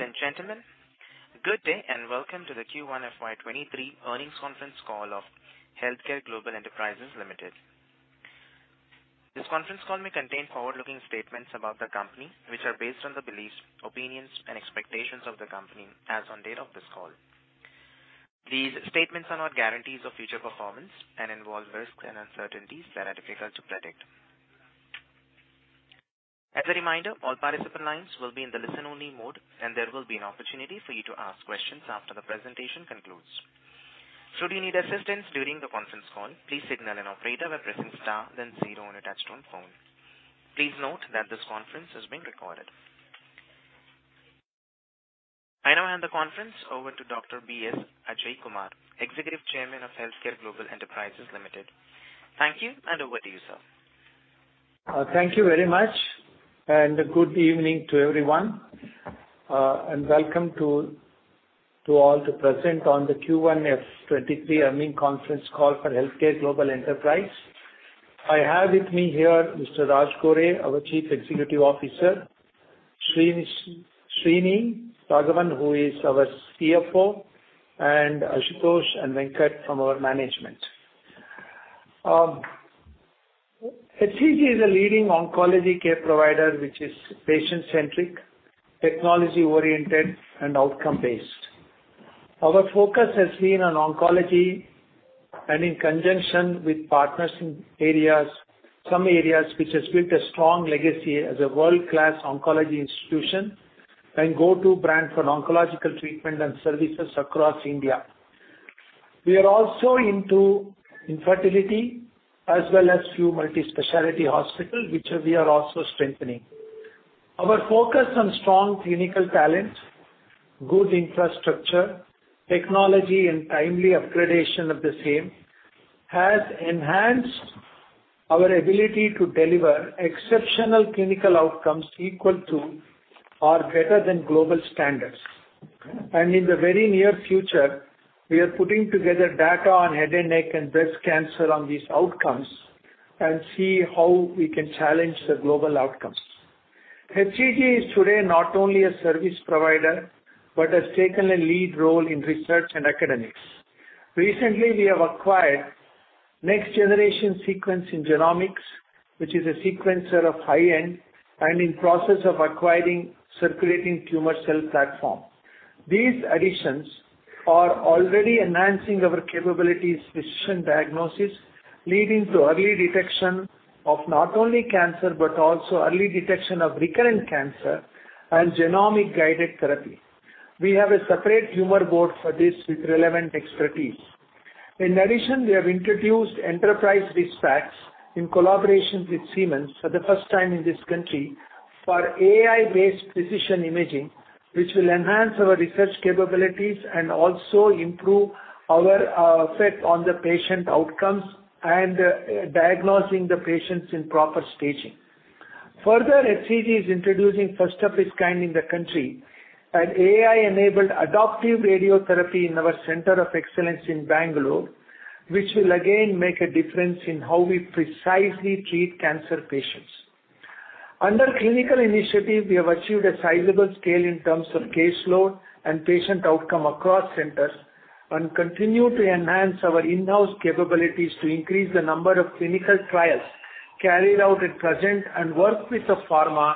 Ladies and gentlemen, good day and welcome to the Q1 FY 2023 earnings conference call of HealthCare Global Enterprises Limited. This conference call may contain forward-looking statements about the company, which are based on the beliefs, opinions and expectations of the company as on date of this call. These statements are not guarantees of future performance and involve risks and uncertainties that are difficult to predict. As a reminder, all participant lines will be in the listen-only mode, and there will be an opportunity for you to ask questions after the presentation concludes. Should you need assistance during the conference call, please signal an operator by pressing star then zero on your touchtone phone. Please note that this conference is being recorded. I now hand the conference over to Dr. B.S. Ajaikumar, Executive Chairman of HealthCare Global Enterprises Limited. Thank you, and over to you, sir. Thank you very much, and good evening to everyone. Welcome to all the present on the Q1 FY 2023 earnings conference call for HealthCare Global Enterprises. I have with me here Mr. Raj Gore, our Chief Executive Officer, Srini Raghavan, who is our CFO, and Ashutosh and Venkat from our management. HCG is a leading oncology care provider, which is patient-centric, technology-oriented and outcome-based. Our focus has been on oncology and in conjunction with partners in areas, some areas which has built a strong legacy as a world-class oncology institution and go-to brand for oncological treatment and services across India. We are also into infertility as well as few multi-specialty hospital, which we are also strengthening. Our focus on strong clinical talent, good infrastructure, technology and timely upgradation of the same has enhanced our ability to deliver exceptional clinical outcomes equal to or better than global standards. In the very near future, we are putting together data on head and neck and breast cancer on these outcomes and see how we can challenge the global outcomes. HCG is today not only a service provider, but has taken a lead role in research and academics. Recently, we have acquired Next Generation Sequencing in genomics, which is a sequencer of high-end, and in process of acquiring circulating tumor cell platform. These additions are already enhancing our capabilities, precision diagnosis, leading to early detection of not only cancer, but also early detection of recurrent cancer and genomic-guided therapy. We have a separate tumor board for this with relevant expertise. In addition, we have introduced enterprise RIS-PACS in collaboration with Siemens for the first time in this country for AI-based precision imaging, which will enhance our research capabilities and also improve our effect on the patient outcomes and diagnosing the patients in proper staging. Further, HCG is introducing first of its kind in the country, an AI-enabled adaptive radiotherapy in our Center of Excellence in Bangalore, which will again make a difference in how we precisely treat cancer patients. Under clinical initiative, we have achieved a sizable scale in terms of caseload and patient outcome across centers and continue to enhance our in-house capabilities to increase the number of clinical trials carried out at present and work with the pharma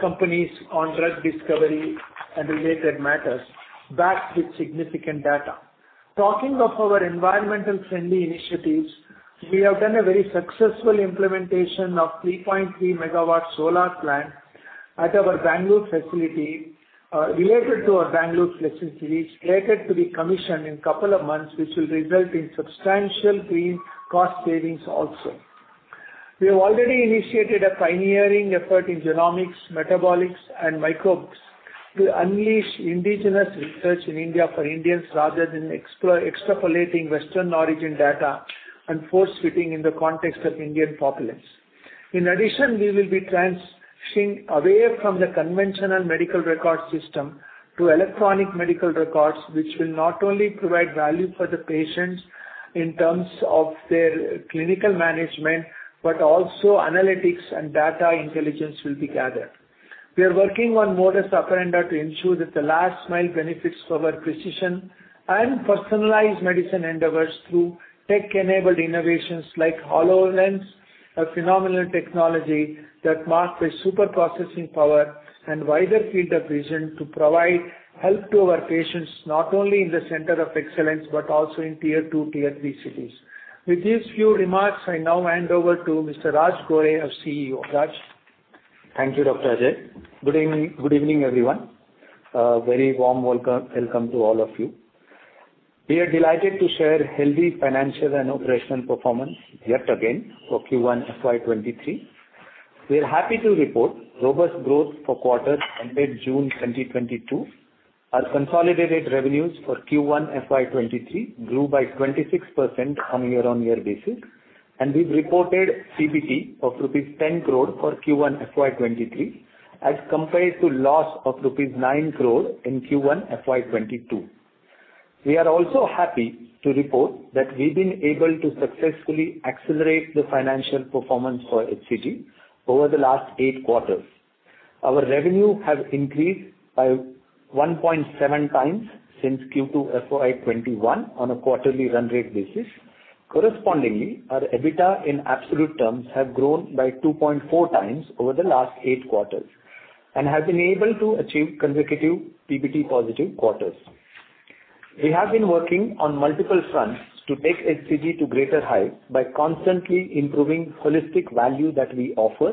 companies on drug discovery and related matters backed with significant data. Talking of our environmentally friendly initiatives, we have done a very successful implementation of 3.3-MW solar plant at our Bangalore facility, related to our Bangalore facility, slated to be commissioned in a couple of months, which will result in substantial green cost savings also. We have already initiated a pioneering effort in genomics, metabolomics and microbes to unleash indigenous research in India for Indians rather than extrapolating Western origin data and force fitting in the context of Indian populace. In addition, we will be transitioning away from the conventional medical record system to electronic medical records, which will not only provide value for the patients in terms of their clinical management, but also analytics and data intelligence will be gathered. We are working on modus operandi to ensure that the last mile benefits our precision and personalized medicine endeavors through tech-enabled innovations like HoloLens, a phenomenal technology that's marked by super processing power and wider field of vision to provide help to our patients, not only in the center of excellence, but also in tier two, tier three cities. With these few remarks, I now hand over to Mr. Raj Gore, our CEO. Raj. Thank you, Dr. Ajay. Good evening, everyone. A very warm welcome to all of you. We are delighted to share healthy financial and operational performance yet again for Q1 FY 2023. We are happy to report robust growth for quarter ended June 2022. Our consolidated revenues for Q1 FY 2023 grew by 26% on year-on-year basis. We've reported PBT of rupees 10 crore for Q1 FY 2023 as compared to loss of rupees 9 crore in Q1 FY 2022. We are also happy to report that we've been able to successfully accelerate the financial performance for HCG over the last eight quarters. Our revenue has increased by 1.7x since Q2 FY 2021 on a quarterly run rate basis. Correspondingly, our EBITDA in absolute terms has grown by 2.4x over the last 8 quarters, and has been able to achieve consecutive PBT positive quarters. We have been working on multiple fronts to take HCG to greater heights by constantly improving holistic value that we offer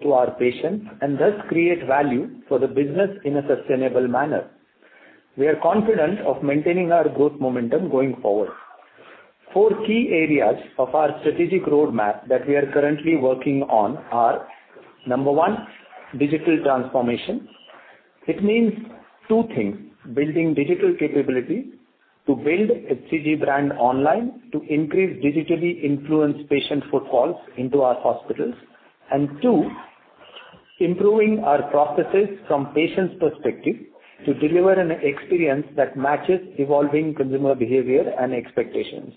to our patients and thus create value for the business in a sustainable manner. We are confident of maintaining our growth momentum going forward. 4 key areas of our strategic roadmap that we are currently working on are 1. digital transformation. It means 2 things. Building digital capability to build HCG brand online to increase digitally influenced patient footfalls into our hospitals. 2. Improving our processes from patients' perspective to deliver an e-experience that matches evolving consumer behavior and expectations.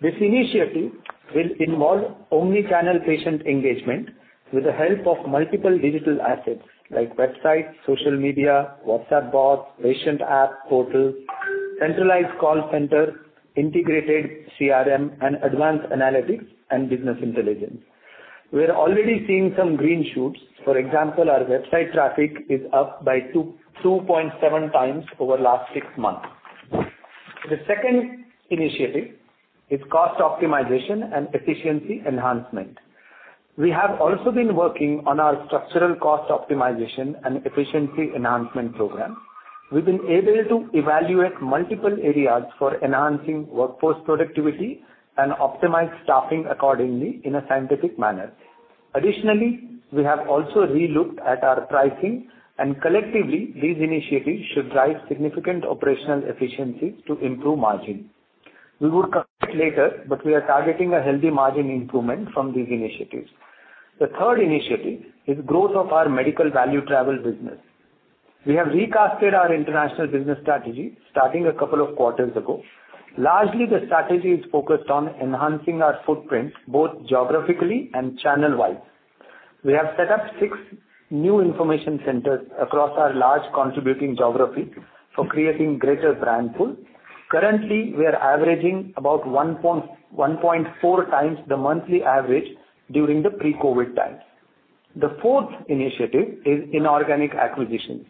This initiative will involve omni-channel patient engagement with the help of multiple digital assets like website, social media, WhatsApp bots, patient app, portal, centralized call center, integrated CRM and advanced analytics and business intelligence. We're already seeing some green shoots. For example, our website traffic is up by 2.7x over last six months. The second initiative is cost optimization and efficiency enhancement. We have also been working on our structural cost optimization and efficiency enhancement program. We've been able to evaluate multiple areas for enhancing workforce productivity and optimize staffing accordingly in a scientific manner. Additionally, we have also relooked at our pricing, and collectively these initiatives should drive significant operational efficiencies to improve margin. We will later, but we are targeting a healthy margin improvement from these initiatives. The third initiative is growth of our medical value travel business. We have recast our international business strategy starting a couple of quarters ago. Largely, the strategy is focused on enhancing our footprint, both geographically and channel-wise. We have set up 6 new information centers across our large contributing geography for creating greater brand pull. Currently, we are averaging about 1.1x-1.4x the monthly average during the pre-COVID times. The fourth initiative is inorganic acquisitions.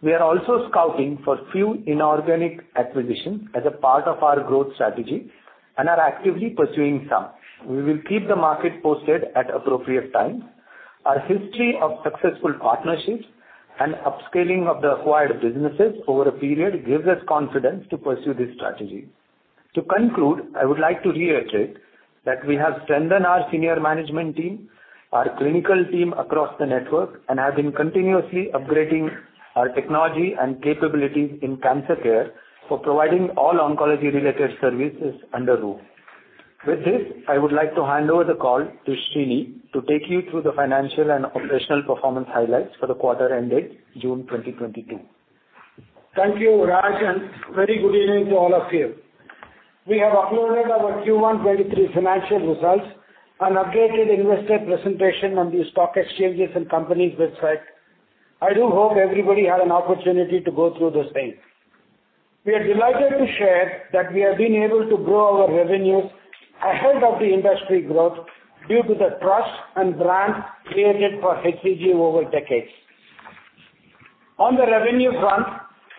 We are also scouting for a few inorganic acquisitions as a part of our growth strategy and are actively pursuing some. We will keep the market posted at appropriate times. Our history of successful partnerships and upscaling of the acquired businesses over a period gives us confidence to pursue this strategy. To conclude, I would like to reiterate that we have strengthened our senior management team, our clinical team across the network, and have been continuously upgrading our technology and capabilities in cancer care for providing all oncology related services under one roof. With this, I would like to hand over the call to Srini to take you through the financial and operational performance highlights for the quarter ended June 2022. Thank you, Raj, and very good evening to all of you. We have uploaded our Q1 2023 financial results and updated investor presentation on the stock exchanges and company's website. I do hope everybody had an opportunity to go through the same. We are delighted to share that we have been able to grow our revenues ahead of the industry growth due to the trust and brand created for HCG over decades. On the revenue front,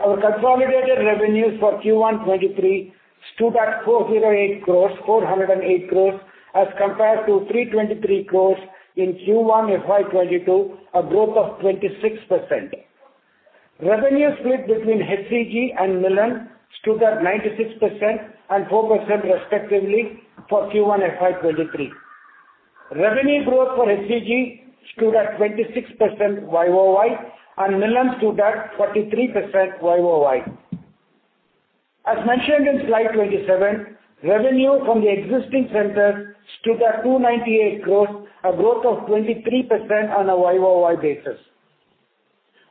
our consolidated revenues for Q1 2023 stood at 408 crore, 408 crore, as compared to 323 crore in Q1 FY 2022, a growth of 26%. Revenue split between HCG and Milann stood at 96% and 4% respectively for Q1 FY 2023. Revenue growth for HCG stood at 26% YOY, and Milann stood at 33% YOY. As mentioned in slide 27, revenue from the existing centers stood at 298 crore, a growth of 23% on a YOY basis.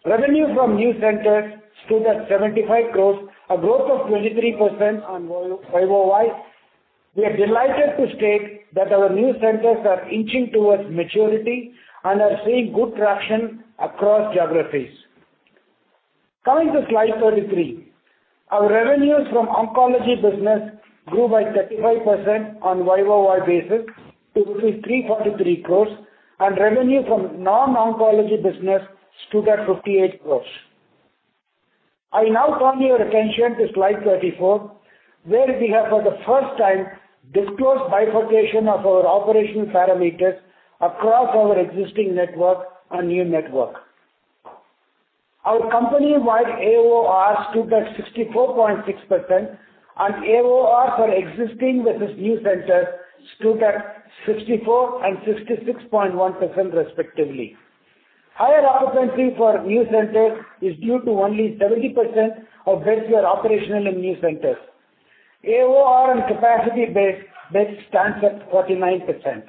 Revenue from new centers stood at 75 crore, a growth of 23% on YOY. We are delighted to state that our new centers are inching towards maturity and are seeing good traction across geographies. Coming to slide 33, our revenues from oncology business grew by 35% on YOY basis to roughly INR 343 crore, and revenue from non-oncology business stood at INR 58 crore. I now call your attention to slide 34, where we have for the first time disclosed bifurcation of our operational parameters across our existing network and new network. Our company-wide AOR stood at 64.6%, and AOR for existing versus new centers stood at 64% and 66.1% respectively. Higher occupancy for new centers is due to only 70% of beds were operational in new centers. AOR and capacity base, beds stands at 49%.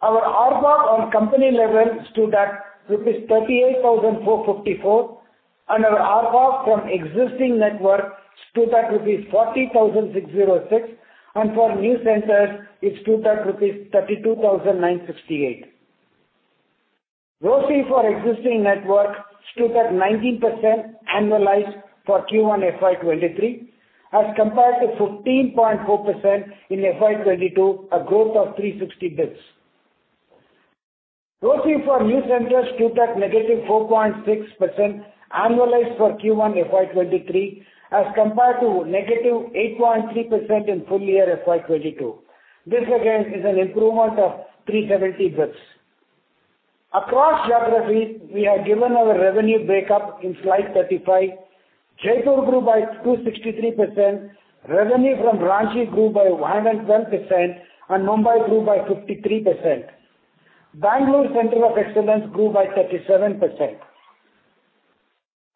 Our ARPC on company level stood at rupees 38,454, and our ARPC from existing network stood at rupees 40,606, and for new centers it stood at rupees 32,958. ROCE for existing network stood at 19% annualized for Q1 FY 2023, as compared to 15.4% in FY 2022, a growth of 360 basis points. ROCE for new centers stood at -4.6% annualized for Q1 FY 2023, as compared to -8.3% in full year FY 2022. This again is an improvement of 370 basis points. Across geographies, we have given our revenue break up in slide 35. Jaipur grew by 263%. Revenue from Ranchi grew by 112%, and Mumbai grew by 53%. Bangalore Center of Excellence grew by 37%.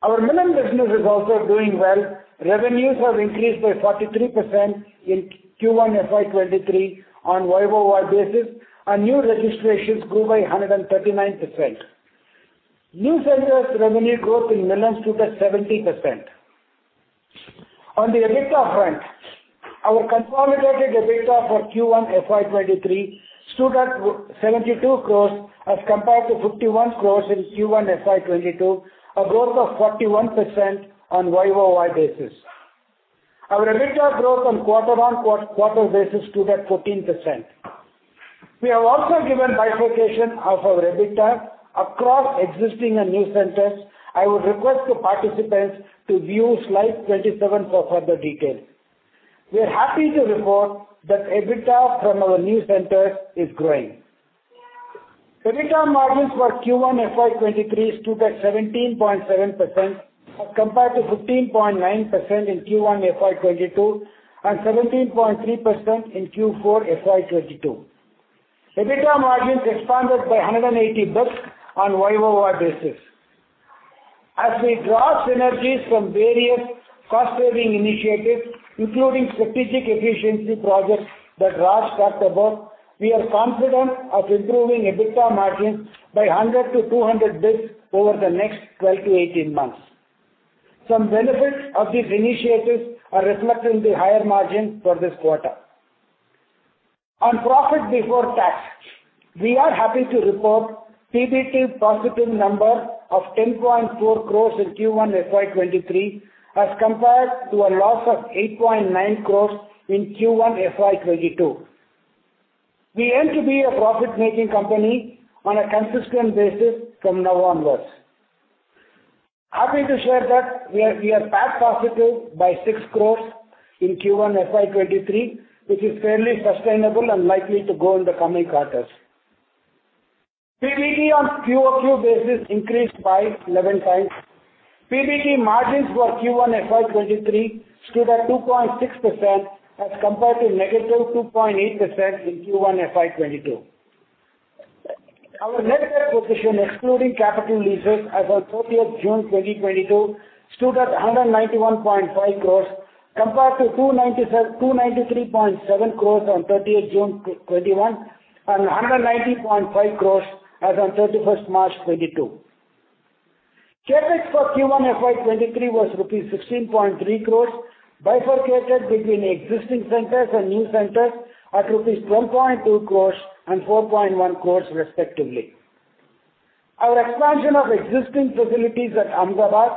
Our Milann business is also doing well. Revenues have increased by 43% in Q1 FY 2023 on year-over-year basis, and new registrations grew by 139%. New centers revenue growth in Milann stood at 70%. On the EBITDA front, our consolidated EBITDA for Q1 FY 2023 stood at 72 crore as compared to 51 crore in Q1 FY 2022, a growth of 41% on year-over-year basis. Our EBITDA growth on quarter-on-quarter basis stood at 14%. We have also given bifurcation of our EBITDA across existing and new centers. I would request the participants to view slide 27 for further details. We are happy to report that EBITDA from our new centers is growing. EBITDA margins for Q1 FY 2023 stood at 17.7% as compared to 15.9% in Q1 FY 2022 and 17.3% in Q4 FY 2022. EBITDA margins expanded by 180 basis points on year-over-year basis. We draw synergies from various cost saving initiatives, including strategic efficiency projects that Raj talked about. We are confident of improving EBITDA margins by 100 basis points-200 basis points over the next 12 months-18 months. Some benefits of these initiatives are reflected in the higher margin for this quarter. On profit before tax, we are happy to report PBT positive number of 10.4 crore in Q1 FY 2023 as compared to a loss of 8.9 crore in Q1 FY 2022. We aim to be a profit-making company on a consistent basis from now onwards. Happy to share that we are PAT positive by 6 crore in Q1 FY 2023, which is fairly sustainable and likely to grow in the coming quarters. PBT on Q-over-Q basis increased by 11x. PBT margins for Q1 FY 2023 stood at 2.6% as compared to -2.8% in Q1 FY 2022. Our net debt position excluding capital leases as on thirtieth June 2022 stood at 191.5 crore compared to 293.7 crore on thirtieth June 2021 and 190.5 crore as on thirty-first March 2022. CapEx for Q1 FY 2023 was rupees 16.3 crore, bifurcated between existing centers and new centers at rupees 12.2 crore and 4.1 crore respectively. Our expansion of existing facilities at Ahmedabad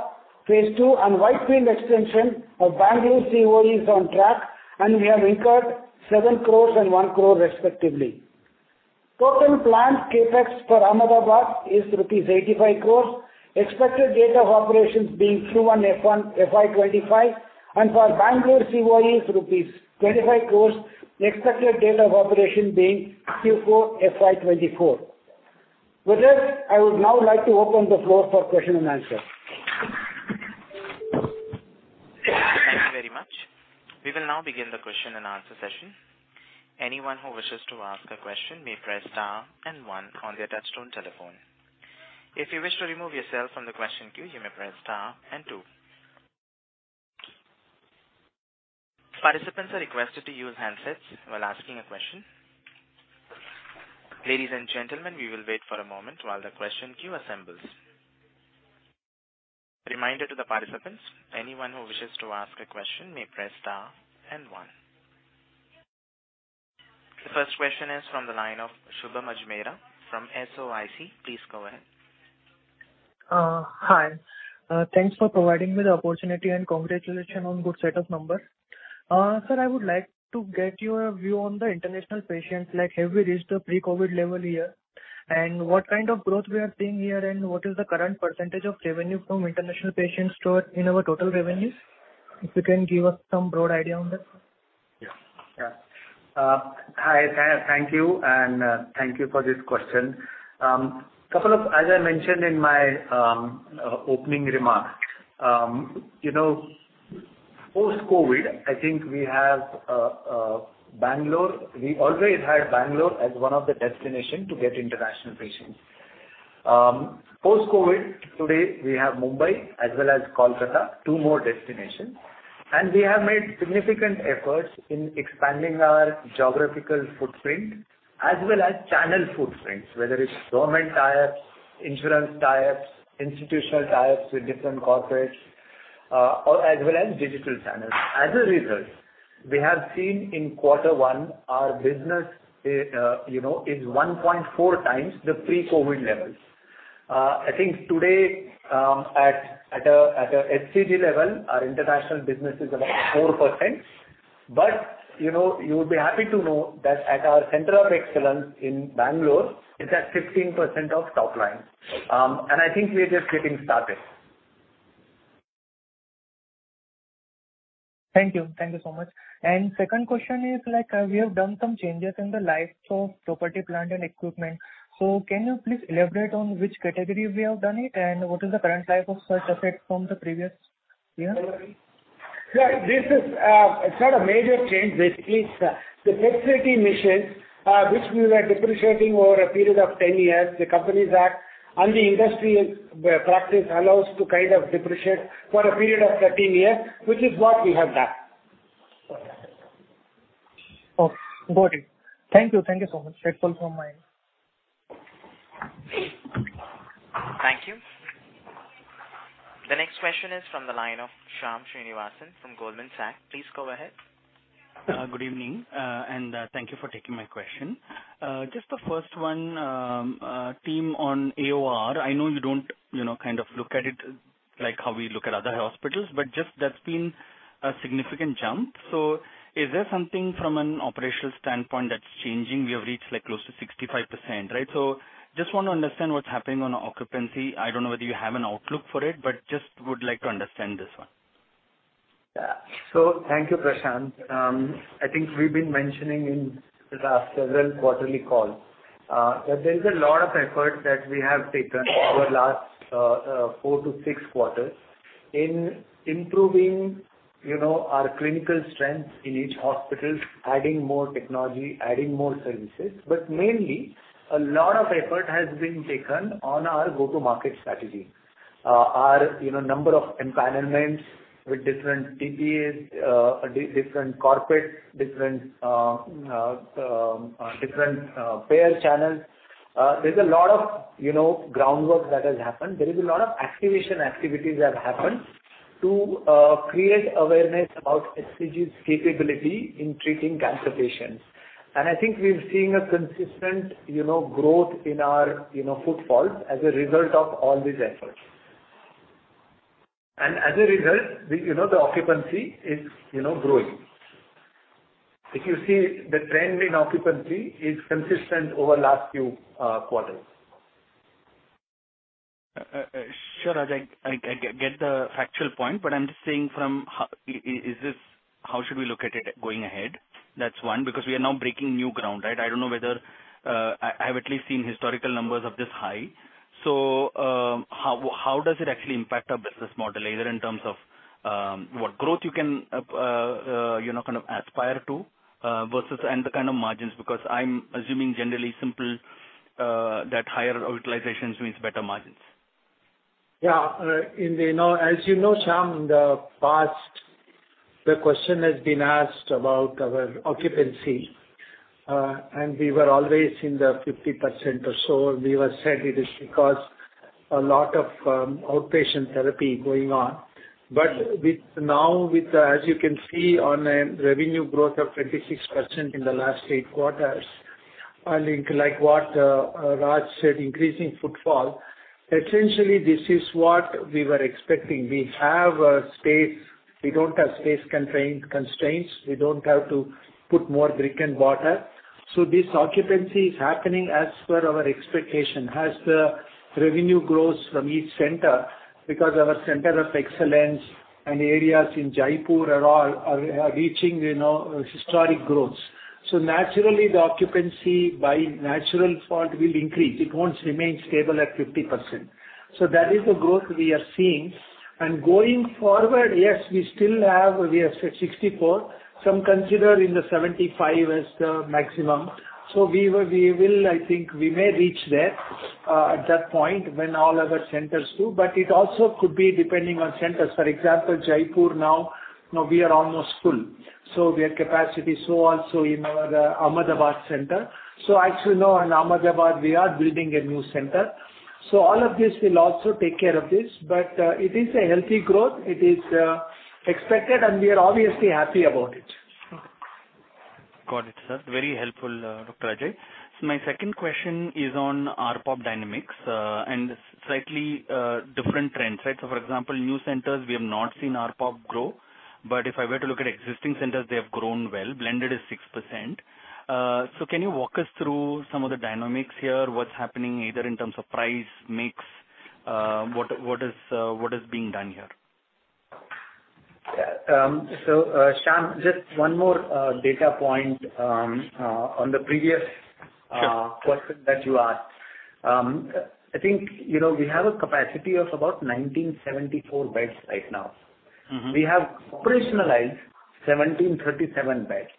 phase II and Whitefield extension of Bangalore COE is on track, and we have incurred 7 crore and 1 crore respectively. Total planned CapEx for Ahmedabad is rupees 85 crore, expected date of operations being Q1 FY 2025, and for Bangalore COE is rupees 25 crore, expected date of operation being Q4 FY 2024. With this, I would now like to open the floor for question and answer. Thank you very much. We will now begin the question and answer session. Anyone who wishes to ask a question may press star and one on their touch-tone telephone. If you wish to remove yourself from the question queue, you may press star and two. Participants are requested to use handsets while asking a question. Ladies and gentlemen, we will wait for a moment while the question queue assembles. Reminder to the participants, anyone who wishes to ask a question may press star and one. The first question is from the line of Shubham Ajmera from SOIC. Please go ahead. Hi. Thanks for providing me the opportunity and congratulations on good set of numbers. Sir, I would like to get your view on the international patients, like have you reached the pre-COVID level here? What kind of growth we are seeing here, and what is the current percentage of revenue from international patients in our total revenues? If you can give us some broad idea on that. Yeah. Hi. Thank you and thank you for this question. As I mentioned in my opening remarks, you know, post-COVID, I think we have Bangalore. We always had Bangalore as one of the destination to get international patients. Post-COVID, today we have Mumbai as well as Kolkata, two more destinations. We have made significant efforts in expanding our geographical footprint as well as channel footprints, whether it's government ties, insurance ties, institutional ties with different corporates, or as well as digital channels. As a result, we have seen in quarter one, our business, you know, is 1.4x the pre-COVID levels. I think today, at a HCG level, our international business is about 4%. You know, you'll be happy to know that at our center of excellence in Bangalore, it's at 15% of top line. I think we're just getting started. Thank you. Thank you so much. Second question is, we have done some changes in the life of property, plant and equipment. Can you please elaborate on which category we have done it and what is the current life of such asset from the previous year? Yeah. This is, it's not a major change. Basically, it's the PET CT machine, which we were depreciating over a period of 10 years, the Companies Act and the industry practice allows to kind of depreciate for a period of 13 years, which is what we have done. Okay. Got it. Thank you. Thank you so much. That's all from my end. Thank you. The next question is from the line of Shyam Srinivasan from Goldman Sachs. Please go ahead. Good evening. Thank you for taking my question. Just the first one, team on AOR. I know you don't, you know, kind of look at it like how we look at other hospitals, but just that's been a significant jump. Is there something from an operational standpoint that's changing? We have reached, like, close to 65%, right? Just want to understand what's happening on occupancy. I don't know whether you have an outlook for it, but just would like to understand this one. Yeah. Thank you, Prashant. I think we've been mentioning in the last several quarterly calls that there is a lot of effort that we have taken over the last 4 quarters-6 quarters in improving, you know, our clinical strength in each hospital, adding more technology, adding more services. Mainly, a lot of effort has been taken on our go-to-market strategy. Our, you know, number of empanelments with different TPAs, different corporates, different payer channels. There's a lot of, you know, groundwork that has happened. There is a lot of activation activities that have happened to create awareness about HCG's capability in treating cancer patients. I think we're seeing a consistent, you know, growth in our, you know, footfalls as a result of all these efforts. As a result, the, you know, the occupancy is, you know, growing. If you see the trend in occupancy is consistent over last few quarters. Sure, Raj. I get the factual point, but I'm just saying, is this how we should look at it going ahead? That's one. We are now breaking new ground, right? I don't know whether I have at least seen historical numbers of this high. How does it actually impact our business model, either in terms of what growth you can you know kind of aspire to versus and the kind of margins, because I'm assuming generally simple that higher utilizations means better margins. Yeah. As you know, Shyam, in the past, the question has been asked about our occupancy, and we were always in the 50% or so. We were said it is because a lot of outpatient therapy going on. Now, with, as you can see on a revenue growth of 26% in the last 8 quarters, like what Raj said, increasing footfall, essentially this is what we were expecting. We have space. We don't have space constraints. We don't have to put more brick and mortar. This occupancy is happening as per our expectation, as the revenue grows from each center, because our center of excellence and areas in Jaipur are all reaching, you know, historic growth. Naturally, the occupancy by default will increase. It won't remain stable at 50%. That is the growth we are seeing. Going forward, yes, we still have, we are at 64. Some consider 75 as the maximum. We will, I think we may reach there at that point when all other centers do, but it also could be depending on centers. For example, Jaipur now we are almost full, so we are at capacity. Also in our Ahmedabad center. Actually now in Ahmedabad, we are building a new center. All of this will also take care of this. It is a healthy growth. It is expected, and we are obviously happy about it. Got it, sir. Very helpful, Dr. Ajay. My second question is on ARPOB dynamics, and slightly different trends, right? For example, new centers, we have not seen ARPOB grow, but if I were to look at existing centers, they have grown well. Blended is 6%. Can you walk us through some of the dynamics here, what's happening either in terms of price, mix, what is being done here? Yeah. Shyam, just one more data point on the previous. Sure. question that you asked. I think, you know, we have a capacity of about 1,974 beds right now. Mm-hmm. We have operationalized 1,737 beds.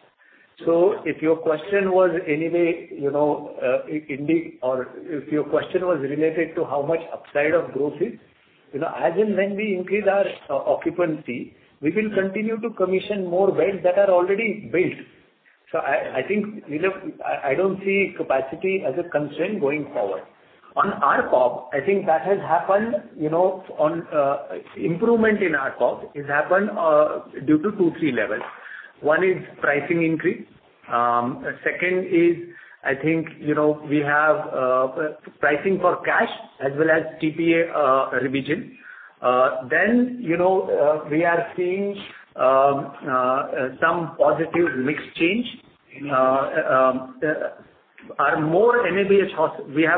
If your question was anyway, you know, or if your question was related to how much upside of growth is, you know, as and when we increase our occupancy, we will continue to commission more beds that are already built. I think, you know, I don't see capacity as a constraint going forward. On ARPOB, I think that has happened, you know, on improvement in ARPOB, it happened due to 2 levels-3 levels. One is pricing increase. Second is I think, you know, we have pricing for cash as well as TPA revision. Then, you know, we are seeing some positive mix change. We have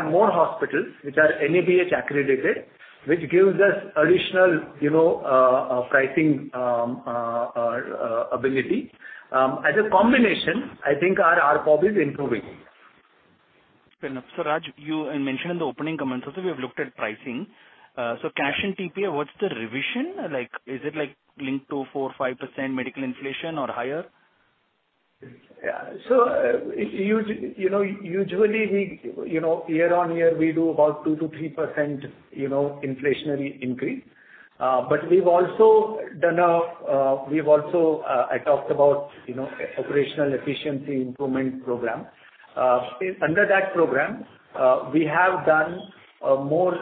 more hospitals which are NABH accredited, which gives us additional, you know, pricing ability. As a combination, I think our ARPOB is improving. Fair enough. Raj, you mentioned in the opening comments also, we have looked at pricing. Cash and TPA, what's the revision like? Is it like linked to 4% or 5% medical inflation or higher? Yeah. You know, usually we, you know, year-on-year we do about 2%-3% inflationary increase. But I talked about you know operational efficiency improvement program. Under that program, we have done a more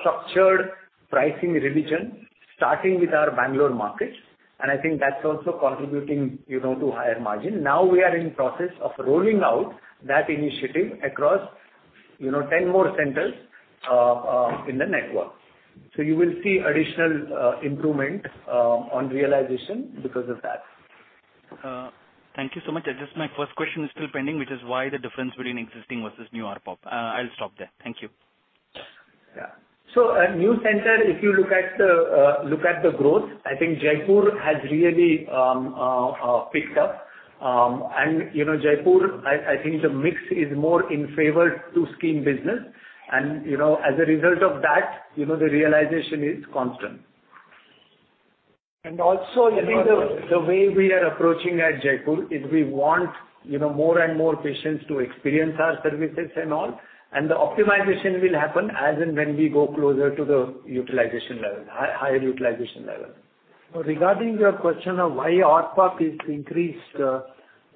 structured pricing revision, starting with our Bangalore markets, and I think that's also contributing, you know, to higher margin. Now we are in process of rolling out that initiative across, you know, 10 more centers in the network. You will see additional improvement on realization because of that. Thank you so much. My first question is still pending, which is why the difference between existing versus new ARPOB. I'll stop there. Thank you. Yeah. A new center, if you look at the growth, I think Jaipur has really picked up. You know, Jaipur, I think the mix is more in favor to scheme business. You know, as a result of that, the realization is constant. I think the way we are approaching at Jaipur is we want, you know, more and more patients to experience our services and all, and the optimization will happen as and when we go closer to the utilization level, higher utilization level. Regarding your question of why ARPOB is increased,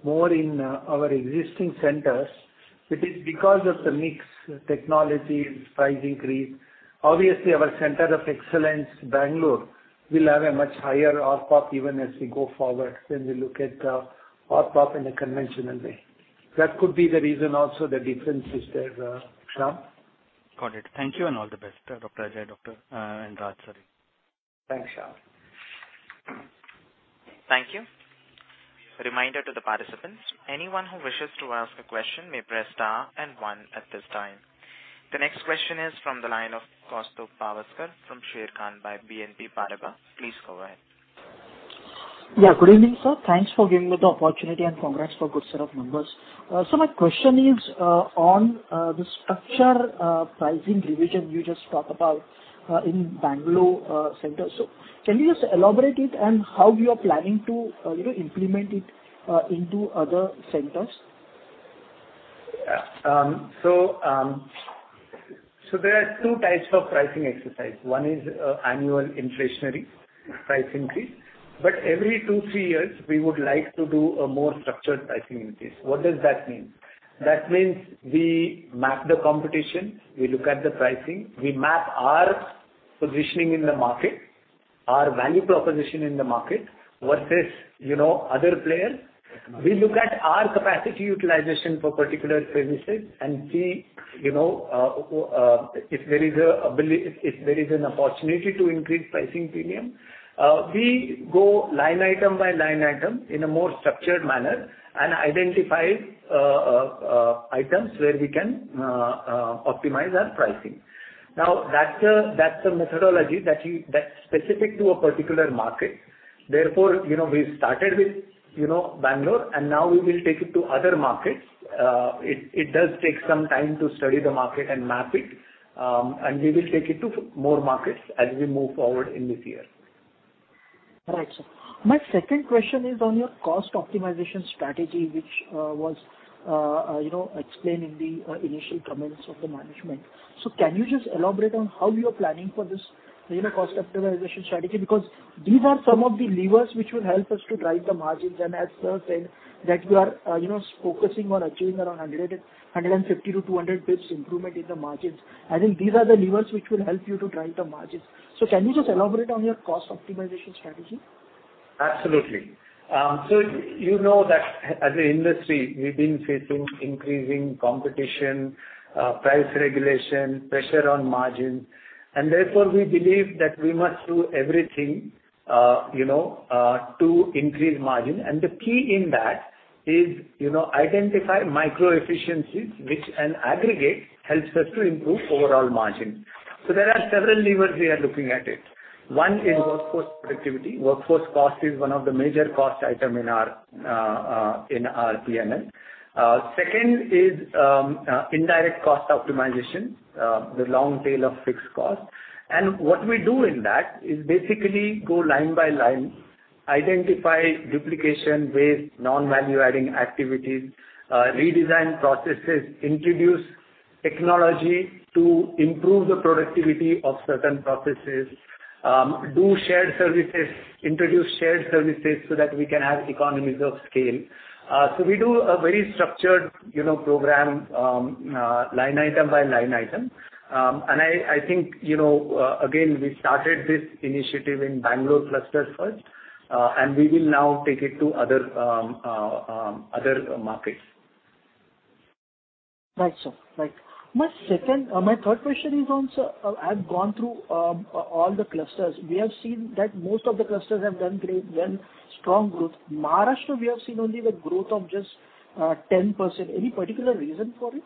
more in our existing centers, it is because of the mix technology price increase. Obviously, our center of excellence, Bangalore, will have a much higher ARPOB even as we go forward when we look at ARPOB in a conventional way. That could be the reason also the difference is there, Shyam. Got it. Thank you and all the best, Dr. Ajay, Doctor, and Raj, sorry. Thanks, Shyam. Thank you. A reminder to the participants, anyone who wishes to ask a question may press star and one at this time. The next question is from the line of Kaustubh Pawaskar from Sharekhan by BNP Paribas. Please go ahead. Yeah, good evening, sir. Thanks for giving me the opportunity and congrats for good set of numbers. My question is on the structured pricing revision you just talked about in Bangalore center. Can you just elaborate it and how you are planning to implement it into other centers? There are two types of pricing exercise. One is annual inflationary price increase. Every two, three years, we would like to do a more structured pricing increase. What does that mean? That means we map the competition, we look at the pricing, we map our positioning in the market, our value proposition in the market versus, you know, other players. We look at our capacity utilization for particular services and see, you know, if there is an opportunity to increase pricing premium. We go line item by line item in a more structured manner and identify items where we can optimize our pricing. Now, that's a methodology that's specific to a particular market. Therefore, you know, we started with, you know, Bangalore, and now we will take it to other markets. It does take some time to study the market and map it, and we will take it to more markets as we move forward in this year. All right, sir. My second question is on your cost optimization strategy, which was, you know, explained in the initial comments of the management. Can you just elaborate on how you are planning for this, you know, cost optimization strategy? Because these are some of the levers which will help us to drive the margins. As sir said that you are, you know, focusing on achieving around 150 basis points-200 basis points improvement in the margins. I think these are the levers which will help you to drive the margins. Can you just elaborate on your cost optimization strategy? Absolutely. So you know that as an industry, we've been facing increasing competition, price regulation, pressure on margins, and therefore we believe that we must do everything, you know, to increase margin. The key in that is, you know, identify micro efficiencies which in aggregate helps us to improve overall margin. There are several levers we are looking at it. One is workforce productivity. Workforce cost is one of the major cost item in our, in our P&L. Second is indirect cost optimization, the long tail of fixed cost. What we do in that is basically go line by line. Identify duplication-based non-value adding activities, redesign processes, introduce technology to improve the productivity of certain processes, do shared services, introduce shared services so that we can have economies of scale. We do a very structured, you know, program, line item by line item. I think, you know, again, we started this initiative in Bangalore cluster first, and we will now take it to other markets. Right, sir. Right. My third question is on, sir. I've gone through all the clusters. We have seen that most of the clusters have done great strong growth. Maharashtra, we have seen only the growth of just 10%. Any particular reason for it?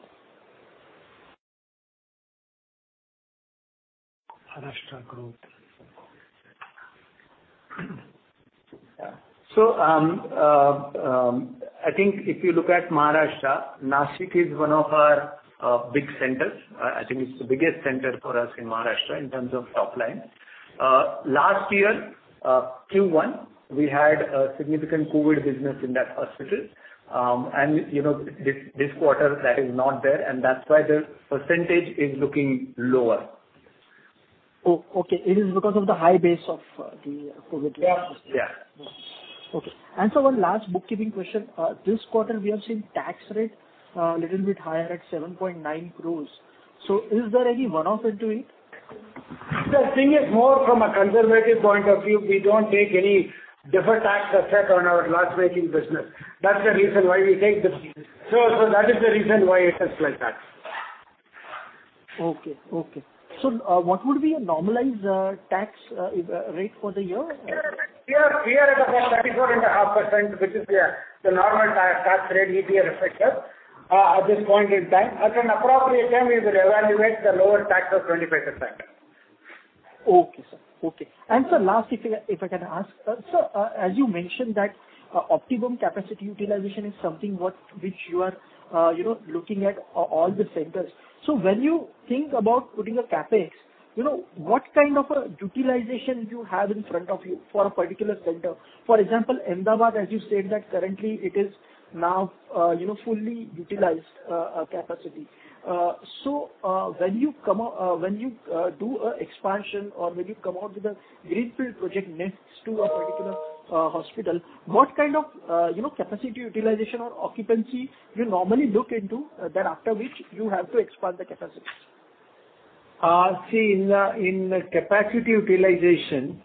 Maharashtra growth. I think if you look at Maharashtra, Nashik is one of our big centers. I think it's the biggest center for us in Maharashtra in terms of top line. Last year, Q1, we had a significant COVID business in that hospital. You know, this quarter that is not there, and that's why the percentage is looking lower. Oh, okay. It is because of the high base of the COVID- Yeah. Yeah. Okay. Sir, one last bookkeeping question. This quarter we have seen tax rate little bit higher at 7.9 crores. Is there any one-off in it? The thing is more from a conservative point of view, we don't take any deferred tax effect on our loss-making business. That's the reason why. That is the reason why it is like that. What would be a normalized tax rate for the year? We are at about 34.5%, which is the normal tax rate EBITDA reflects us at this point in time. At an appropriate time, we will evaluate the lower tax of 25%. Okay, sir. Okay. Sir, last, if I can ask, sir, as you mentioned that, optimum capacity utilization is something which you are, you know, looking at all the centers. So when you think about putting a CapEx, you know, what kind of a utilization you have in front of you for a particular center? For example, Ahmedabad, as you said that currently it is now, you know, fully utilized capacity. So, when you do a expansion or when you come out with a greenfield project next to a particular hospital, what kind of, you know, capacity utilization or occupancy you normally look into, that after which you have to expand the capacity? See, in the capacity utilization,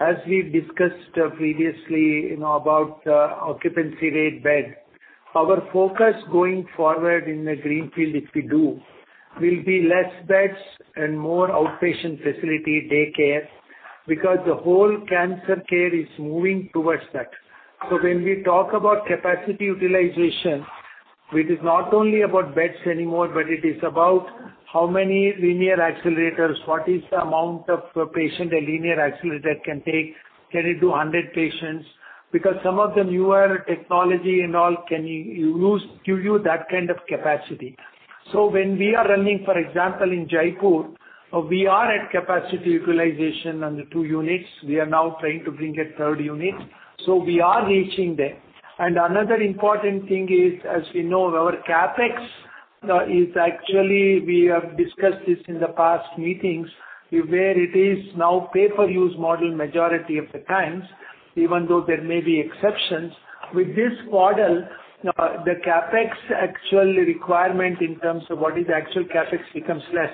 as we discussed previously, you know, about occupancy rate bed, our focus going forward in the greenfield, if we do, will be less beds and more outpatient facility daycare because the whole cancer care is moving towards that. When we talk about capacity utilization, it is not only about beds anymore, but it is about how many linear accelerators, what is the amount of patients a linear accelerator can take. Can it do 100 patients? Because some of the newer technology and all can use up to that kind of capacity. When we are running, for example, in Jaipur, we are at capacity utilization on the 2 units. We are now trying to bring a third unit. We are reaching there. Another important thing is, as we know, our CapEx is actually we have discussed this in the past meetings, where it is now pay-per-use model majority of the times, even though there may be exceptions. With this model, the CapEx actual requirement in terms of what is actual CapEx becomes less.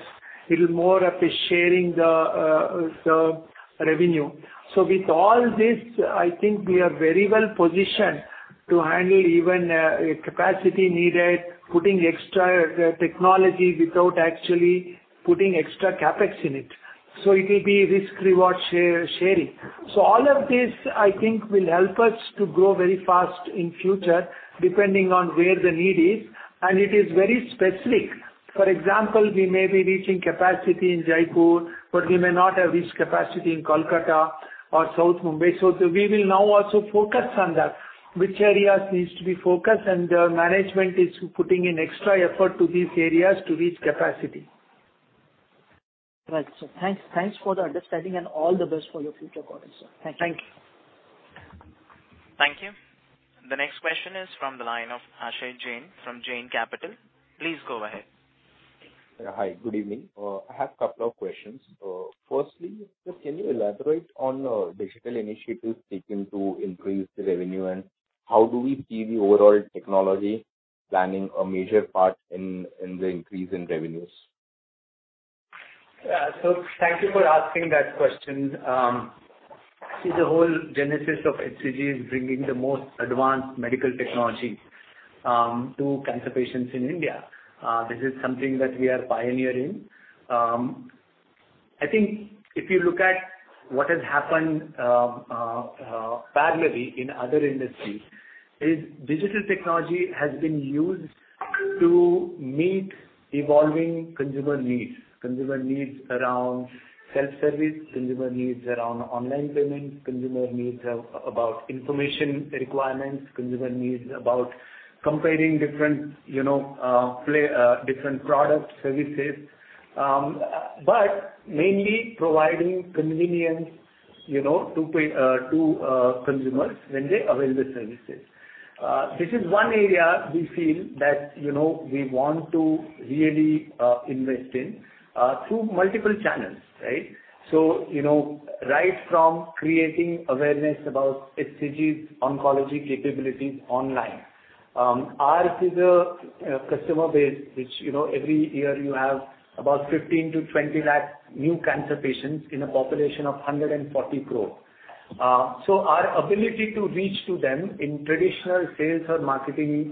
It is more of a sharing the revenue. So with all this, I think we are very well positioned to handle even a capacity needed, putting extra technology without actually putting extra CapEx in it. So it will be risk reward sharing. So all of this, I think, will help us to grow very fast in future, depending on where the need is. It is very specific. For example, we may be reaching capacity in Jaipur, but we may not have reached capacity in Kolkata or South Mumbai. We will now also focus on that, which areas needs to be focused, and the management is putting in extra effort to these areas to reach capacity. Right, sir. Thanks. Thanks for the understanding and all the best for your future quarters, sir. Thank you. Thank you. Thank you. The next question is from the line of Akshay Jain from Jain Capital. Please go ahead. Hi, good evening. I have couple of questions. First, sir, can you elaborate on digital initiatives taken to increase the revenue? How do we see the overall technology playing a major part in the increase in revenues? Yeah. Thank you for asking that question. See the whole genesis of HCG is bringing the most advanced medical technology to cancer patients in India. This is something that we are pioneering. I think if you look at what has happened parallelly in other industries is digital technology has been used to meet evolving consumer needs. Consumer needs around self-service, consumer needs around online payment, consumer needs about information requirements, consumer needs about comparing different, you know, players, different product services. But mainly providing convenience. You know, to pay to consumers when they avail the services. This is one area we feel that, you know, we want to really invest in through multiple channels, right? You know, right from creating awareness about HCG's oncology capabilities online. Ours is a customer base which, you know, every year you have about 15 lakh-20 lakh new cancer patients in a population of 140 crore. Our ability to reach to them in traditional sales or marketing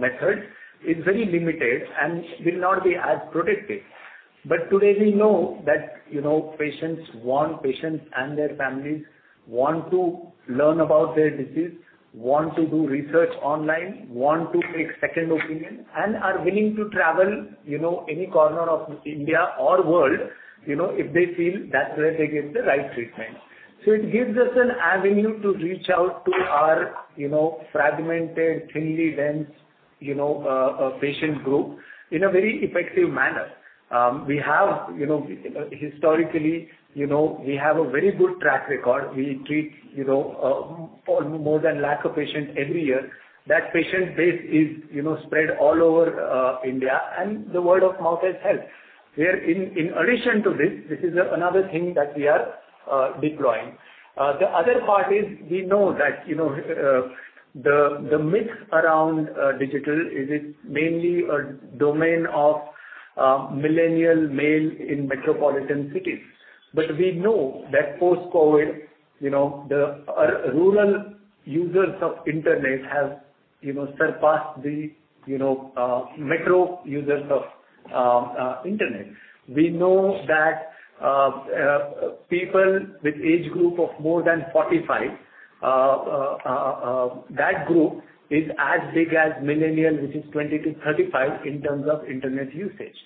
methods is very limited and will not be as productive. Today we know that, you know, patients want, patients and their families want to learn about their disease, want to do research online, want to take second opinion, and are willing to travel, you know, any corner of India or world, you know, if they feel that's where they get the right treatment. It gives us an avenue to reach out to our, you know, fragmented, thinly dense, you know, patient group in a very effective manner. We have, you know, historically, you know, we have a very good track record. We treat, you know, more than 100,000 patients every year. That patient base is, you know, spread all over, India, and the word of mouth has helped. Where in addition to this is another thing that we are deploying. The other part is we know that, you know, the myth around digital is it's mainly a domain of millennial male in metropolitan cities. We know that post-COVID, you know, the rural users of internet have, you know, surpassed the, you know, metro users of internet. We know that people with age group of more than 45, that group is as big as millennial, which is 20-35, in terms of internet usage.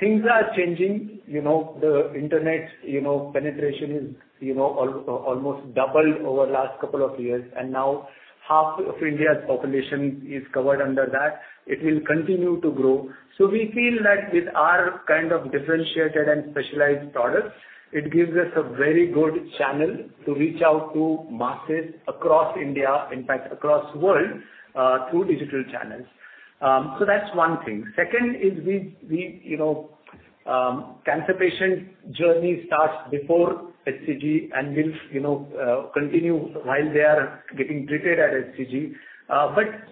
Things are changing. You know, the internet, you know, penetration is, you know, almost doubled over last couple of years, and now half of India's population is covered under that. It will continue to grow. We feel that with our kind of differentiated and specialized products, it gives us a very good channel to reach out to masses across India, in fact across world, through digital channels. That's one thing. Second is we, you know, cancer patient journey starts before HCG and will, you know, continue while they are getting treated at HCG.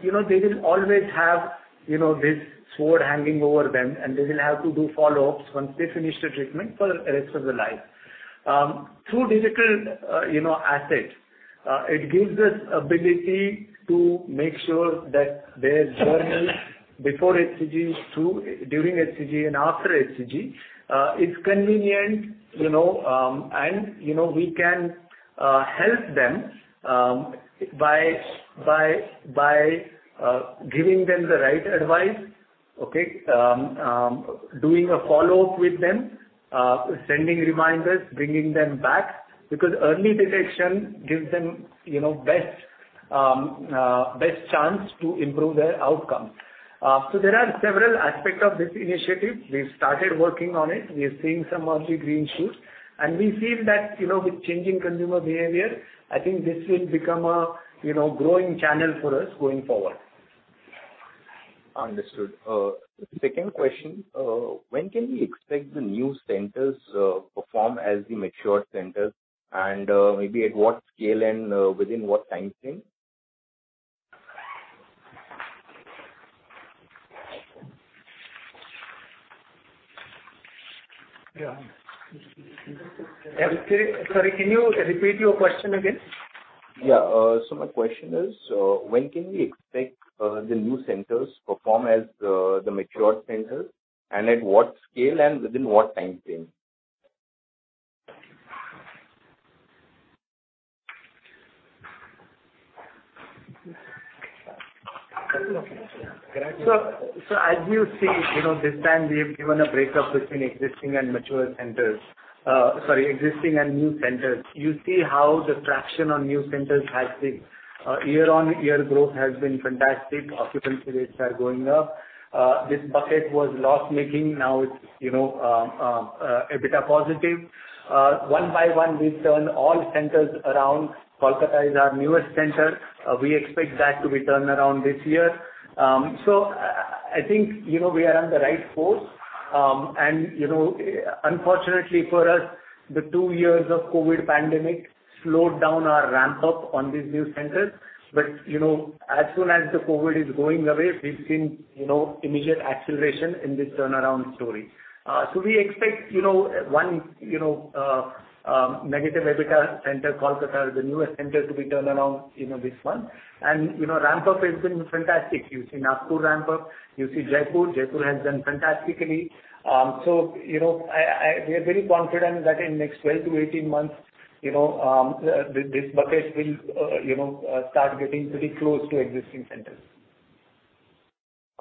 You know, they will always have, you know, this sword hanging over them, and they will have to do follow-ups once they finish the treatment for rest of their life. Through digital, you know, assets, it gives us ability to make sure that their journey before HCG through, during HCG and after HCG, is convenient, you know, and, you know, we can, help them, by giving them the right advice, okay, doing a follow-up with them, sending reminders, bringing them back, because early detection gives them, you know, best chance to improve their outcome. There are several aspects of this initiative. We've started working on it. We are seeing some of the green shoots, and we feel that, you know, with changing consumer behavior, I think this will become a, you know, growing channel for us going forward. Understood. Second question. When can we expect the new centers, perform as the mature centers, and, maybe at what scale and, within what time frame? Yeah. Sorry, can you repeat your question again? Yeah. My question is, when can we expect the new centers perform as the mature centers, and at what scale and within what time frame? As you see, you know, this time we have given a breakup between existing and new centers. You see how the traction on new centers has been. Year-on-year growth has been fantastic. Occupancy rates are going up. This bucket was loss-making. Now it's, you know, EBITDA positive. One by one, we turn all centers around. Kolkata is our newest center. We expect that to be turned around this year. I think, you know, we are on the right course. You know, unfortunately for us, the two years of COVID pandemic slowed down our ramp-up on these new centers. You know, as soon as the COVID is going away, we've seen, you know, immediate acceleration in this turnaround story. We expect, you know, one, you know, negative EBITDA center, Kolkata, the newest center, to be turned around, you know, this month. You know, ramp-up has been fantastic. You see Nagpur ramp-up. You see Jaipur. Jaipur has done fantastically. You know, we are very confident that in next 12 months-18 months, you know, this bucket will, you know, start getting pretty close to existing centers.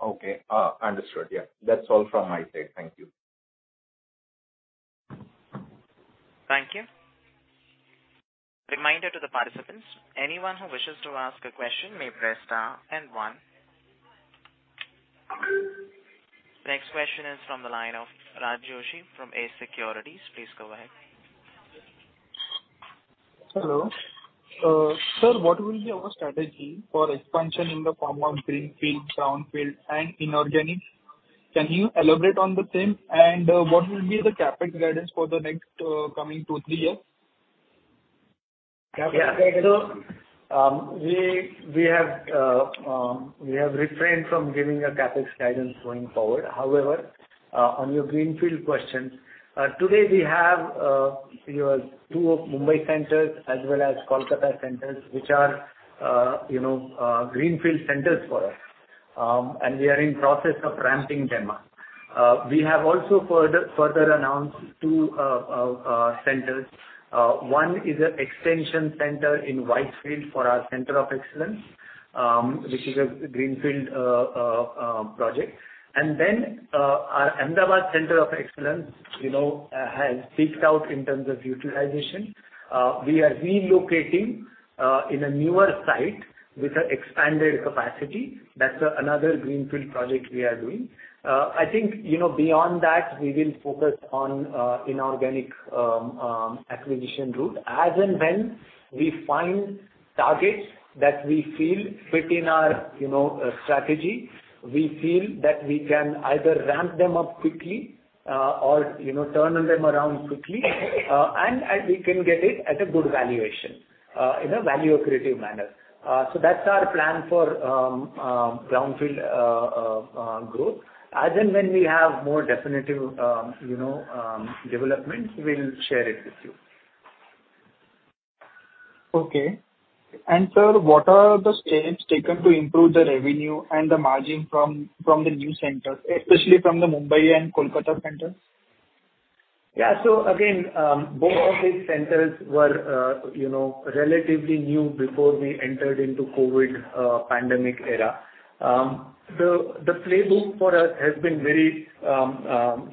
Okay. Understood. Yeah. That's all from my side. Thank you. Thank you. Reminder to the participants, anyone who wishes to ask a question may press star and one. Next question is from the line of Rajesh Joshi from Ace Securities. Please go ahead. Hello. Sir, what will be our strategy for expansion in the form of greenfield, brownfield and inorganic? Can you elaborate on the same? What will be the CapEx guidance for the next coming 2-3 years? We have refrained from giving a CapEx guidance going forward. However, on your greenfield question, today we have your two Mumbai centers as well as Kolkata centers, which are, you know, greenfield centers for us. We are in process of ramping them up. We have also further announced two centers. One is an extension center in Whitefield for our center of excellence, which is a greenfield project. Our Ahmedabad center of excellence, you know, has peaked out in terms of utilization. We are relocating in a newer site with an expanded capacity. That's another greenfield project we are doing. I think, you know, beyond that, we will focus on inorganic acquisition route. As and when we find targets that we feel fit in our, you know, strategy, we feel that we can either ramp them up quickly, or, you know, turn them around quickly, and we can get it at a good valuation, in a value-accretive manner. That's our plan for brownfield growth. As and when we have more definitive, you know, developments, we'll share it with you. Okay. Sir, what are the steps taken to improve the revenue and the margin from the new centers, especially from the Mumbai and Kolkata centers? Again, both of these centers were, you know, relatively new before we entered into COVID pandemic era. The playbook for us has been very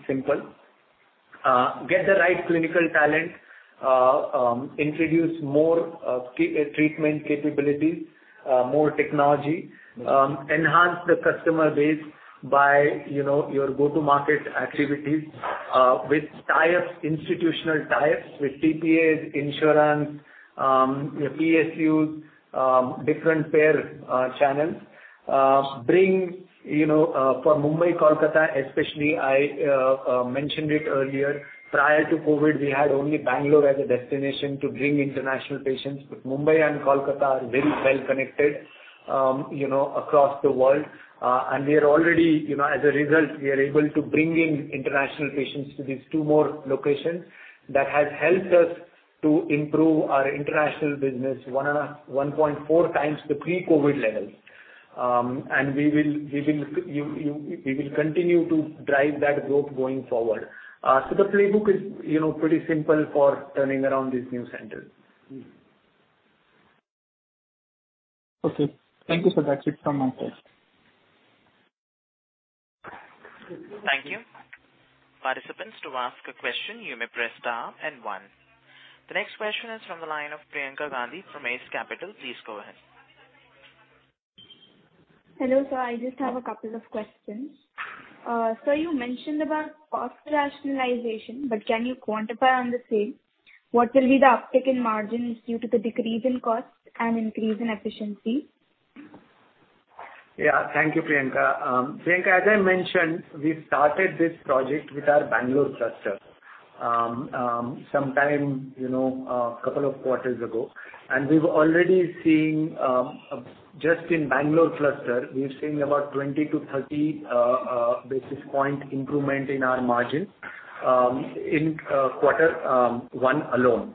simple. Get the right clinical talent, introduce more treatment capabilities, more technology, enhance the customer base by, you know, your go-to-market activities, with tie-ups, institutional tie-ups with TPAs, insurance, PSUs, different payer channels. Bring, you know, for Mumbai, Kolkata especially, I mentioned it earlier. Prior to COVID, we had only Bangalore as a destination to bring international patients, but Mumbai and Kolkata are very well connected, you know, across the world. We are already, you know, as a result, able to bring in international patients to these two more locations. That has helped us to improve our international business 1.4x the pre-COVID levels. We will continue to drive that growth going forward. The playbook is, you know, pretty simple for turning around these new centers. Okay. Thank you, sir. That's it from my side. Thank you. Participants, to ask a question, you may press star and one. The next question is from the line of Priyanka Gandhi from ACE Capital. Please go ahead. Hello, sir. I just have a couple of questions. Sir, you mentioned about cost rationalization, but can you quantify on the same? What will be the uptick in margins due to the decrease in costs and increase in efficiency? Yeah. Thank you, Priyanka. Priyanka, as I mentioned, we started this project with our Bangalore cluster sometime, you know, a couple of quarters ago. We're already seeing just in Bangalore cluster about 20 basis points-30 basis points improvement in our margins in quarter one alone.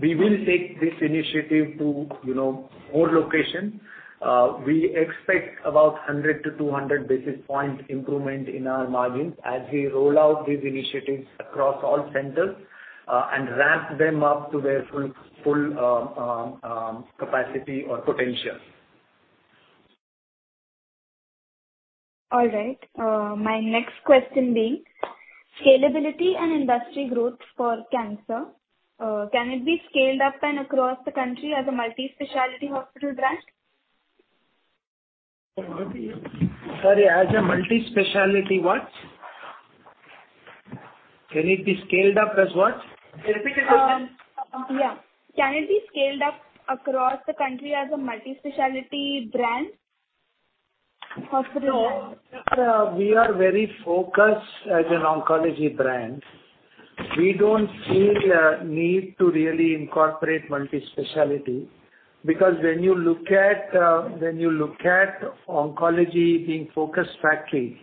We will take this initiative to, you know, more locations. We expect about 100 basis points-200 basis points improvement in our margins as we roll out these initiatives across all centers and ramp them up to their full capacity or potential. All right. My next question being scalability and industry growth for cancer. Can it be scaled up and across the country as a multi-specialty hospital brand? Sorry, as a multi-specialty what? Can it be scaled up as what? Can you repeat the question? Can it be scaled up across the country as a multi-specialty brand hospital brand? No, we are very focused as an oncology brand. We don't see the need to really incorporate multi-specialty because when you look at oncology being focused factory,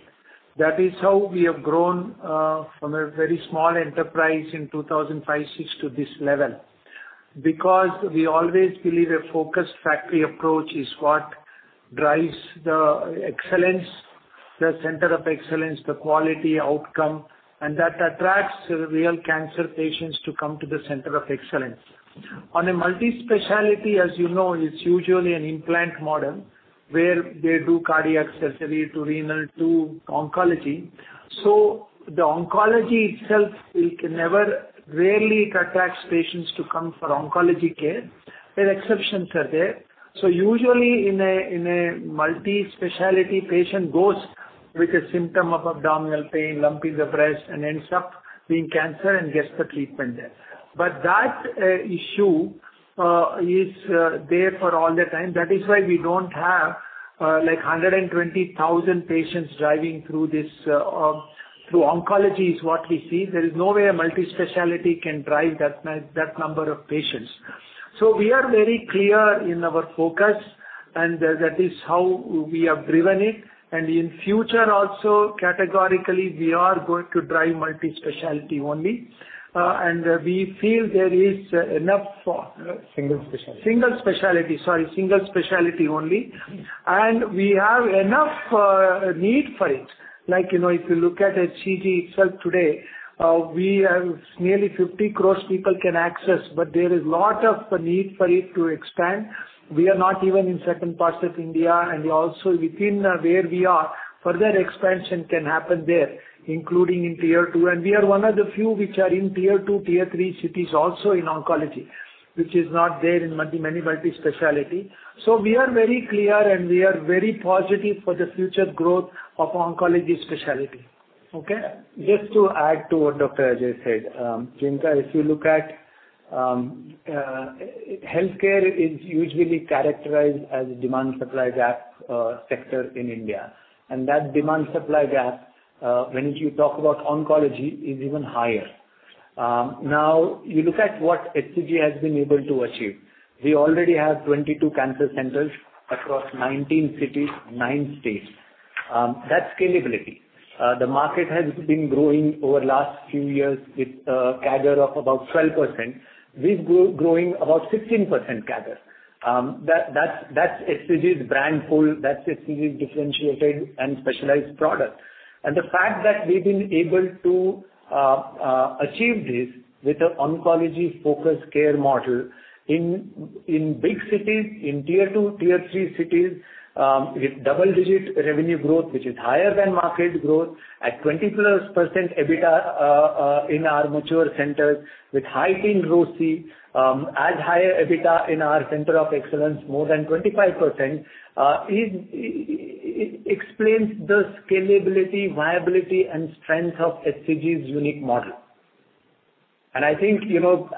that is how we have grown from a very small enterprise in 2005-06 to this level. Because we always believe a focused factory approach is what drives the excellence, the center of excellence, the quality outcome, and that attracts the real cancer patients to come to the center of excellence. On a multi-specialty, as you know, it's usually an inpatient model where they do cardiac surgery to renal to oncology. The oncology itself rarely attracts patients to come for oncology care, where exceptions are there. Usually in a multi-specialty patient goes with a symptom of abdominal pain, lump in the breast and ends up being cancer and gets the treatment there. That issue is there for all the time. That is why we don't have like 120,000 patients driving through this, through oncology is what we see. There is no way a multi-specialty can drive that number of patients. We are very clear in our focus, and that is how we have driven it. In future also, categorically, we are going to drive multi-specialty only. We feel there is enough for. Single specialty. Single specialty only. We have enough need for it. Like, you know, if you look at HCG itself today, we have nearly 50 crores people can access, but there is lot of need for it to expand. We are not even in certain parts of India, and also within where we are, further expansion can happen there, including in tier two. We are one of the few which are in tier two, tier three cities also in oncology, which is not there in many multi-specialty. We are very clear, and we are very positive for the future growth of oncology specialty. Okay. Just to add to what Dr. Ajay said, Chintan, if you look at healthcare is usually characterized as demand-supply gap sector in India. That demand-supply gap, when you talk about oncology, is even higher. Now you look at what HCG has been able to achieve. We already have 22 cancer centers across 19 cities, nine states. That's scalability. The market has been growing over last few years with a CAGR of about 12%. We've growing about 16% CAGR. That's HCG's brand pull. That's HCG's differentiated and specialized product. The fact that we've been able to achieve this with an oncology-focused care model in big cities, in tier two, tier three cities, with double-digit revenue growth, which is higher than market growth at 20+% EBITDA, in our mature centers with high-teens ROCE, and higher EBITDA in our center of excellence, more than 25%, it explains the scalability, viability and strength of HCG's unique model. I think, you know,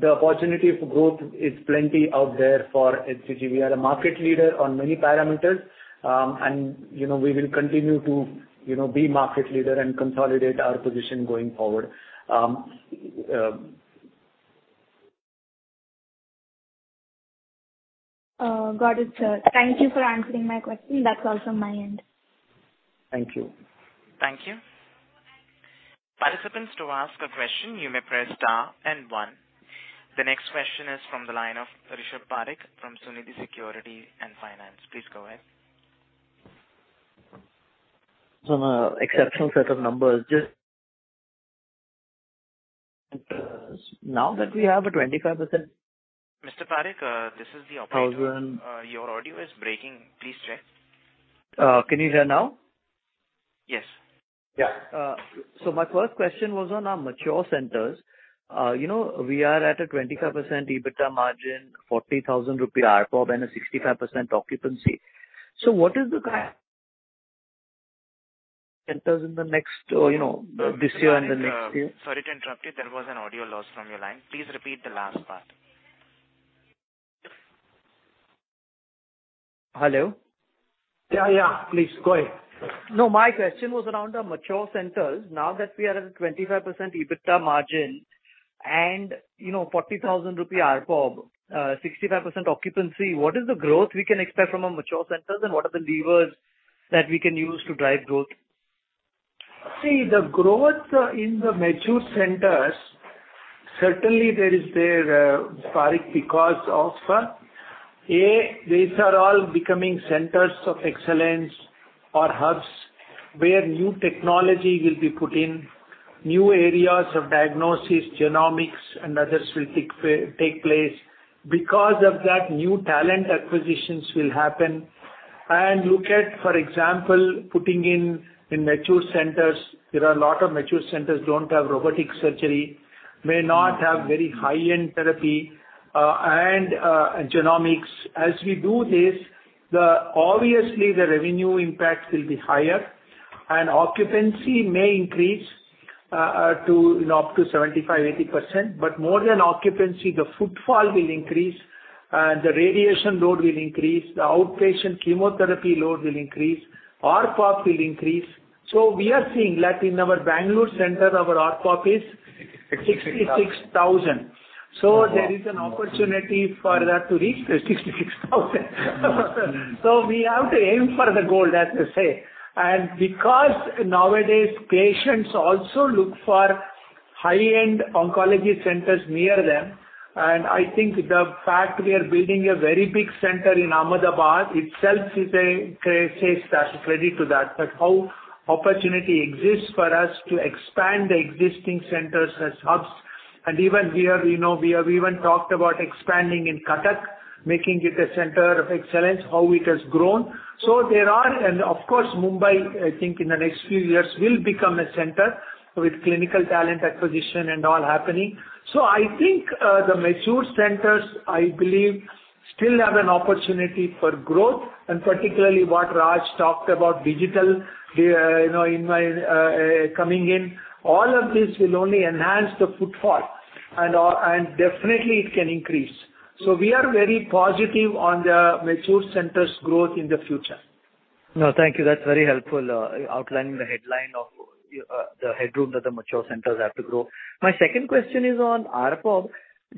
the opportunity for growth is plenty out there for HCG. We are a market leader on many parameters, and, you know, we will continue to, you know, be market leader and consolidate our position going forward. Got it, sir. Thank you for answering my question. That's all from my end. Thank you. Thank you. Participants, to ask a question, you may press star and one. The next question is from the line of Rishabh Parekh from Sunidhi Securities & Finance Limited. Please go ahead. Some exceptional set of numbers. Now that we have a 25%. Mr. Parekh, this is the operator. Thousand- Your audio is breaking. Please check. Can you hear now? Yes. My first question was on our mature centers. We are at a 25% EBITDA margin, 40,000 rupee ARPOB and a 65% occupancy. What is the kind of centers in the next this year and the next year? Mr. Parekh, sorry to interrupt you. There was an audio loss from your line. Please repeat the last part. Hello? Yeah, yeah, please go ahead. No, my question was around our mature centers. Now that we are at a 25% EBITDA margin and, you know, 40,000 rupee ARPOB, 65% occupancy, what is the growth we can expect from our mature centers and what are the levers that we can use to drive growth? See, the growth in the mature centers, certainly there is there, Parekh because of, these are all becoming centers of excellence or hubs where new technology will be put in, new areas of diagnosis, genomics and others will take place. Because of that, new talent acquisitions will happen. Look at, for example, putting in mature centers. There are a lot of mature centers don't have robotic surgery, may not have very high-end therapy, and genomics. As we do this, the obviously the revenue impact will be higher and occupancy may increase to up to 75%-80%. But more than occupancy, the footfall will increase, the radiation load will increase, the outpatient chemotherapy load will increase, ARPOB will increase. We are seeing like in our Bangalore center, our ARPOB is 66,000. There is an opportunity for that to reach 66,000. We have to aim for the gold, as they say. Because nowadays patients also look for high-end oncology centers near them, and I think the fact we are building a very big center in Ahmedabad itself is a credit to that. The opportunity exists for us to expand the existing centers as hubs and even, you know, we have talked about expanding in Cuttack, making it a center of excellence, how it has grown. There are. Of course, Mumbai, I think in the next few years will become a center with clinical talent acquisition and all happening. I think the mature centers, I believe still have an opportunity for growth. Particularly what Raj talked about digital, you know, in my coming in, all of this will only enhance the footfall and definitely it can increase. We are very positive on the mature centers growth in the future. No, thank you. That's very helpful, outlining the headline of the headroom that the mature centers have to grow. My second question is on ARPOB.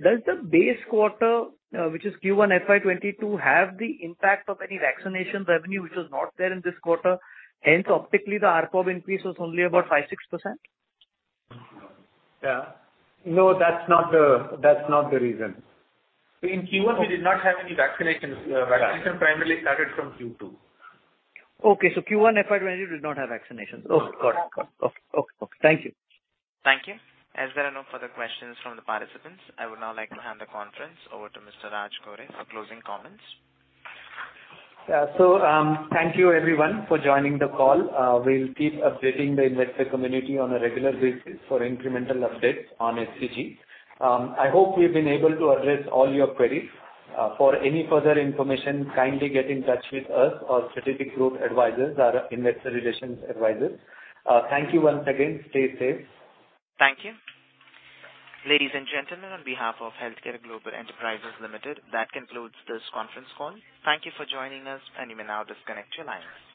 Does the base quarter, which is Q1 FY 2022, have the impact of any vaccination revenue which was not there in this quarter, hence optically the ARPOB increase was only about 5%-6%? Yeah. No, that's not the reason. In Q1 we did not have any vaccinations. Vaccination primarily started from Q2. Okay. Q1 FY 2022 did not have vaccinations. No. Got it. Okay. Thank you. Thank you. As there are no further questions from the participants, I would now like to hand the conference over to Mr. Raj Gore for closing comments. Yeah. Thank you everyone for joining the call. We'll keep updating the investor community on a regular basis for incremental updates on HCG. I hope we've been able to address all your queries. For any further information, kindly get in touch with us or Strategic Growth Advisors, our investor relations advisors. Thank you once again. Stay safe. Thank you. Ladies and gentlemen, on behalf of HealthCare Global Enterprises Limited, that concludes this conference call. Thank you for joining us and you may now disconnect your lines.